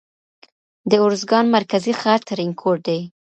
د اروزگان مرکزي ښار ترینکوټ دی.